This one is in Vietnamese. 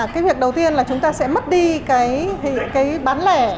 cái việc đầu tiên là chúng ta sẽ mất đi cái bán lẻ